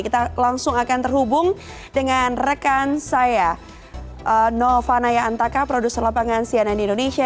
kita langsung akan terhubung dengan rekan saya nova naya antaka produser lapangan cnn indonesia